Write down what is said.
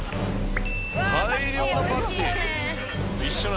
大量のパクチー。